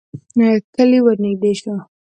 کلی ورنږدې شو.